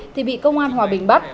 thì bị công an hòa bình bắt